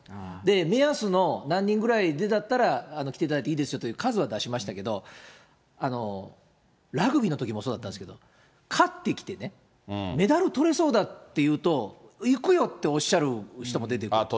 目安の何人くらいでだったら来ていただいていいですよっていう数は出しましたけれども、ラグビーのときもそうだったんですけど、勝ってきてね、メダルとれそうだっていうと、行くよっておっしゃる人も出てくる。